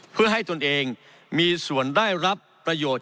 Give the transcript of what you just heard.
เพื่อให้ตนเองมีส่วนได้รับประโยชน์